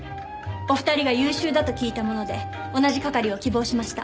お二人が優秀だと聞いたもので同じ係を希望しました。